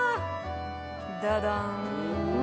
ダダン！